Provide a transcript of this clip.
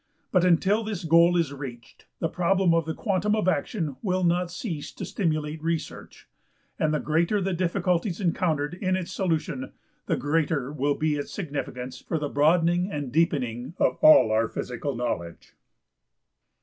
But until this goal is reached the problem of the quantum of action will not cease to stimulate research, and the greater the difficulties encountered in its solution the greater will be its significance for the broadening and deepening of all our physical knowledge.